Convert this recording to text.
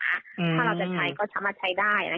ถ้าเราจะใช้ก็สามารถใช้ได้